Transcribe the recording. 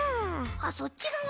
あっそっちがわにね。